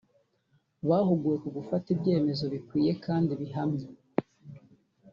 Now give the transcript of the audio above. Bahuguwe ku gufata ibyemezo bikwiye kandi bihamye